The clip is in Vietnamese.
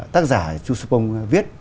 tác giả chú sưu pông viết